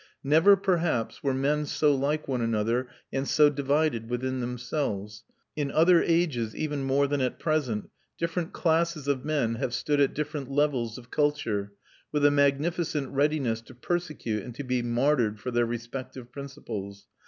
Never perhaps were men so like one another and so divided within themselves. In other ages, even more than at present, different classes of men have stood at different levels of culture, with a magnificent readiness to persecute and to be martyred for their respective principles.